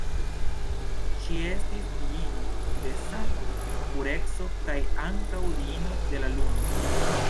Ŝi estis diino de sano, pureco kaj ankaŭ diino de la Luno.